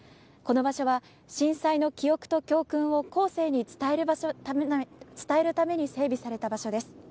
この場所は、震災の記憶と教訓を後世に伝えるために整備された場所です。